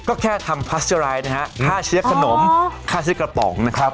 ก็แค่ทำพาสเซอร์รายนะฮะค่าเชฟขนมค่าเชื้อกระป๋องนะครับ